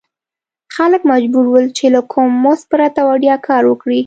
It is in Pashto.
خلک مجبور ول چې له کوم مزد پرته وړیا کار وکړي.